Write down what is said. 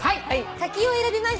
「柿」を選びました